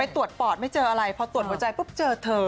ตรวจปอดไม่เจออะไรพอตรวจหัวใจปุ๊บเจอเธอ